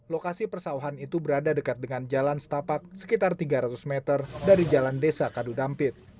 lokasi persawahan itu berada dekat dengan jalan setapak sekitar tiga ratus meter dari jalan desa kadudampit